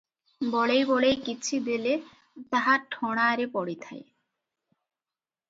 ବଳେଇ ବଳେଇ କିଛି ଦେଲେ ତାହା ଠଣାରେ ପଡ଼ିଥାଏ ।